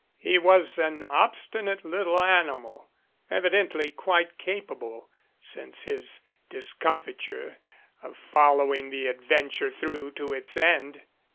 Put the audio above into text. He was an obstinate little animal, evidently quite capable, since his discomfiture, of follow ing the adventure through to its end.